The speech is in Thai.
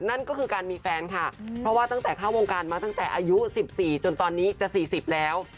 นั่นก็คือการมีแฟนค่ะเพราะว่าตั้งแต่เข้าวงการมาตั้งแต่อายุ๑๔จนตอนนี้จะ๔๐แล้ว